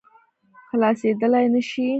خلاصېدلای نه شي.